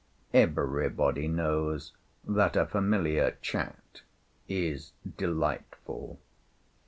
Everybody knows that a familiar chat is delightful.